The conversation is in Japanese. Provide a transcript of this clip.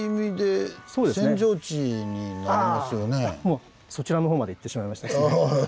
もうそちらの方までいってしまいましたですね。